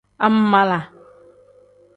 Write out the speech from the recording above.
Angmaala.